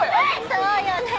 そうよねえ。